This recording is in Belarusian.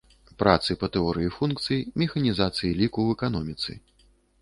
Працы па тэорыі функцый, механізацыі ліку ў эканоміцы.